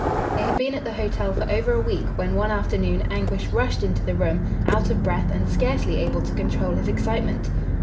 They had been at the hotel for over a week when one afternoon Anguish rushed into the room, out of breath and scarcely able to control his excitement.